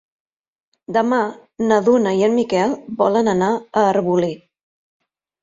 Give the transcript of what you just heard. Demà na Duna i en Miquel volen anar a Arbolí.